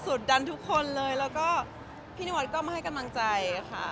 สดดันทุกคนพี่นวัฒก์ก็มาให้กำลังใจ